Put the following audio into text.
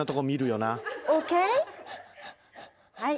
はい。